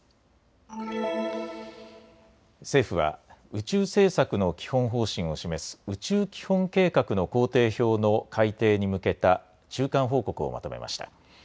政府は宇宙政策の基本方針を示す宇宙基本計画の工程表の改訂に向けた中間報告をまとめました。